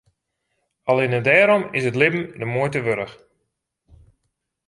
Allinne dêrom is it libben de muoite wurdich.